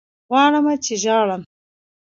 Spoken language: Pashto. غواړمه چې ژاړم